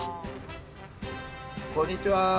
こんにちは。